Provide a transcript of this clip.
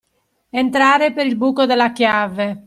Entrare per il buco della chiave.